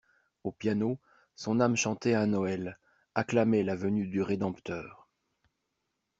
Au piano, son âme chantait un Noël, acclamait la venue du Rédempteur.